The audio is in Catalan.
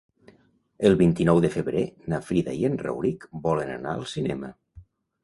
El vint-i-nou de febrer na Frida i en Rauric volen anar al cinema.